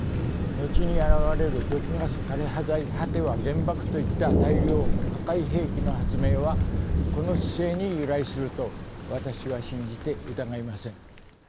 後に現れる毒ガス枯れ葉剤果ては原爆といった大量破壊兵器の発明はこの姿勢に由来すると私は信じて疑いません。